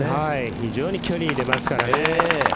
非常に距離出ますからね。